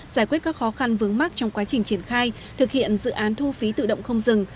giải quyết các khó khăn vướng mắt trong quá trình triển khai thực hiện dự án thu phí tự động không dừng